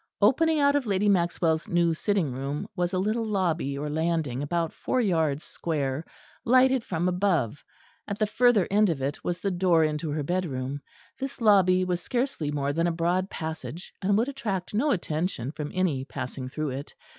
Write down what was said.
Opening out of Lady Maxwell's new sitting room was a little lobby or landing, about four yards square, lighted from above; at the further end of it was the door into her bedroom. This lobby was scarcely more than a broad passage; and would attract no attention from any passing through it.